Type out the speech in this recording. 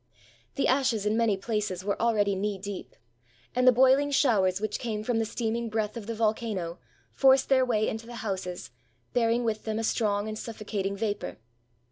The ashes in many places were already knee deep; and the boiling showers which came from the steaming breath of the volcano forced their way into the houses, bearing with them a strong and suffocating vapor.